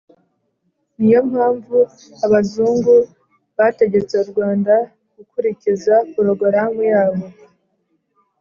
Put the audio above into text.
ni yo mpamvu abazungu bategetse u rwanda gukurikiza porogaramu yabo